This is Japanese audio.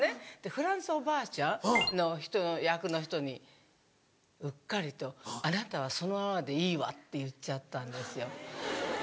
フランプおばあちゃんの役の人にうっかりと「あなたはそのままでいいわ」って言っちゃったんですよ。